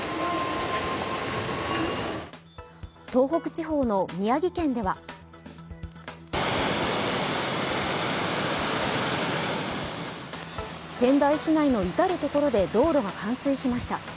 東北地方の宮城県では仙台市内の至る所で道路が冠水しました。